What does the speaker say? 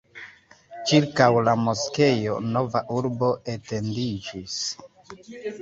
Ĉirkaŭ la moskeo nova urbo etendiĝis.